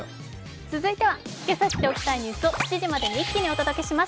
続いては今朝知っておきたいニュースを７時までに一気にお届けします。